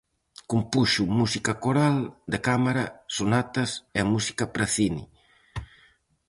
Compuxo música coral, de cámara, sonatas e música para cine.